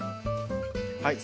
はい。